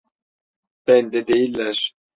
Bende değiller.